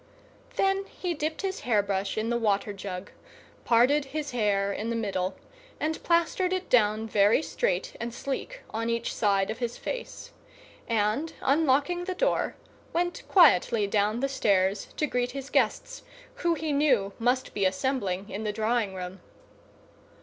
Then he dipped his hairbrush in the water jug, parted his hair in the middle, and plastered it down very straight and sleek on each side of his face; and, unlocking the door, went quietly down the stairs to greet his guests, who he knew must be assembling in the drawing room.